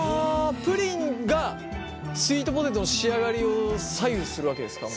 プリンがスイートポテトの仕上がりを左右するわけですか？